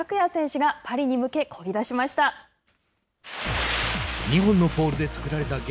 羽根田卓也選手がパリに向けこぎ出しました。